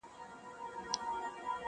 کنې پاته یې له ډلي د سیلانو..